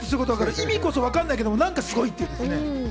意味こそ分かんないけど、なんかすごいっていうね。